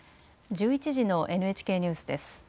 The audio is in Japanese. １１時のＮＨＫニュースです。